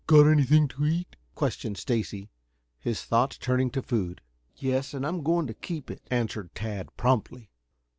"Got anything to eat?" questioned Stacy, his thoughts turning to food. "Yes, and I'm going to keep it," answered Tad promptly.